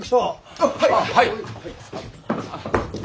あっはい！